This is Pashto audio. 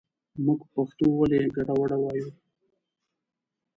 مونږ پښتو ولې ګډه وډه وايو